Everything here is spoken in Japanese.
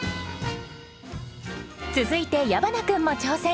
続いて矢花君も挑戦。